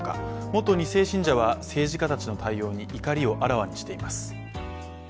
元２世信者は、政治家たちの対応に怒りをあらわにしています。